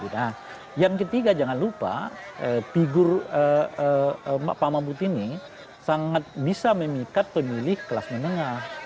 nah yang ketiga jangan lupa figur pak mahfud ini sangat bisa memikat pemilih kelas menengah